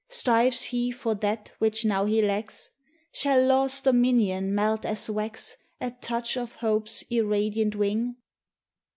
Strives He for that which now he lacks? Shall Law's dominion melt as wax At touch of Hope's irradiant wing?